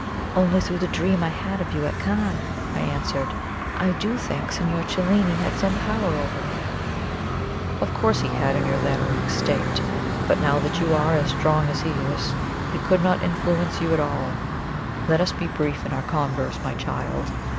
"Only through the dream I had of you at Cannes," I answered. "I do think Signor Cellini had some power over me." "Of course he had in your then weak state. But now that you are as strong as he is, he could not influence you at all. Let us be brief in our converse, my child.